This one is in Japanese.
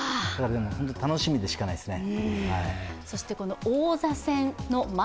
本当に楽しみでしかないですね。